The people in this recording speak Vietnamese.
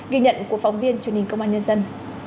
ghi nhận của phóng viên truyền hình công an nhân dân